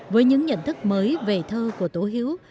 với những nhận thức mới về thơ của tố hữu